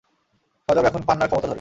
শজারু এখন পান্নার ক্ষমতা ধরে।